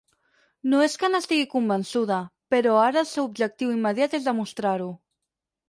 No és que n'estigui convençuda, però ara el seu objectiu immediat és demostrar-ho.